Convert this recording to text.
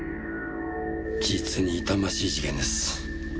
実に痛ましい事件です。